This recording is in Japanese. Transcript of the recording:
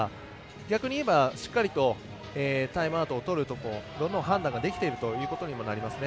逆に言えば、しっかりとタイムアウトをとるところの判断ができているということにもなりますね。